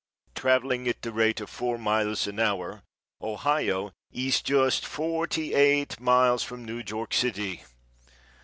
Travelling at the rate of four miles an hour, Ohio is just forty eight miles from New York city!